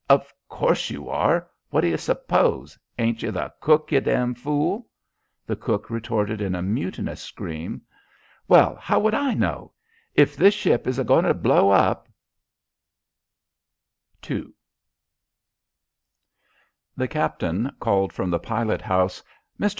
"Of course you are! What do you s'pose? Ain't you the cook, you damn fool?" The cook retorted in a mutinous scream. "Well, how would I know? If this ship is goin' to blow up " II The captain called from the pilot house. "Mr.